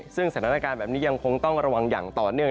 ซึ่งสถานการณ์แบบนี้ยังคงต้องระวังอย่างต่อเนื่อง